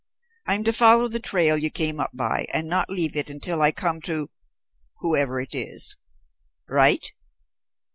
I'm to follow the trail you came up by, and not leave it until I come to whoever it is? Right.